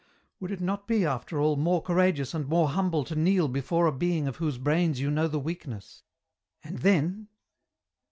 Would it not be, after all, more courageous and more humble to kneel before a being of whose brains you know the weakness ?" And then